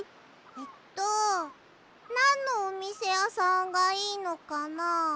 えっとなんのおみせやさんがいいのかな？